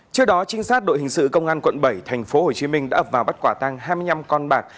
trước đó trinh sát đội hình sự công an quận bảy tp hcm đã ập vào bắt quả tăng hai mươi năm con bạc